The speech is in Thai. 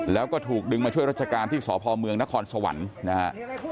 แล้วก็ถูกดึงมาช่วยราชการที่สพเมืองนครสวรรค์นะฮะ